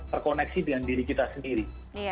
terkoneksi dengan diri kita sendiri